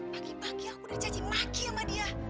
pagi pagi aku dicacimaki sama dia